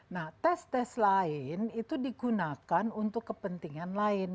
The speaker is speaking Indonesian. nah tes tes lain itu digunakan untuk kepentingan lain